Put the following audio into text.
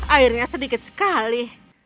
airnya sedikit sekali